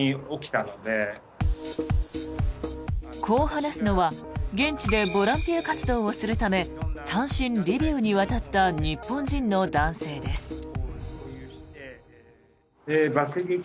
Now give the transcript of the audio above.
こう話すのは、現地でボランティア活動をするため単身リビウに渡った日本人の男性です。